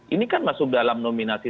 ini kan masuk dalam nominasi